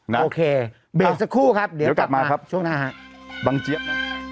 นะโอเคเบสสักคู่ครับเดี๋ยวกลับมาครับช่วงหน้า